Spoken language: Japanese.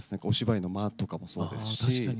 お芝居の間とかもそうですし。